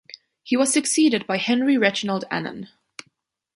He was succeeded by Henry Reginald Annan.